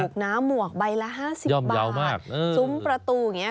น้ำหมวกใบละ๕๐บาทซุ้มประตูอย่างนี้